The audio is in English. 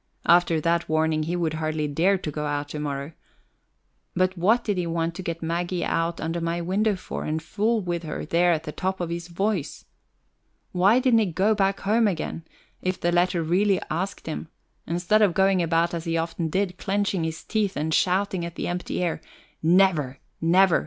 After that warning he would hardly dare to go out to morrow but what did he want to get Maggie out under my window for, and fool with her there at the top of his voice? Why didn't he go back home again, if the letter really asked him, instead of going about as he often did, clenching his teeth and shouting at the empty air: "Never, never!